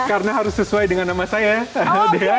karena harus sesuai dengan nama saya